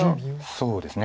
そうですね。